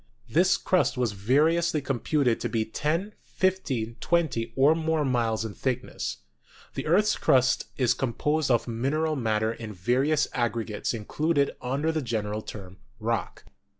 This crust was variously computed to be ten, fifteen, twen ty, or more miles in thickness. The earth's crust is composed of mineral matter in various aggregates included under the general term Rock.